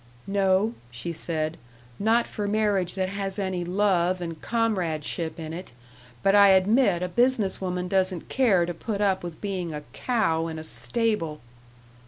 "No," she said, "not for marriage that has any love and comradeship in it. But I admit a business woman doesn't care to put up with being a cow in a stable."